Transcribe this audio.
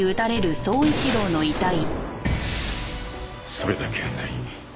それだけやない。